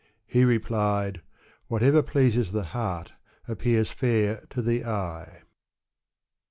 He replied, "Whatever pleases the heart appears fair to the eye."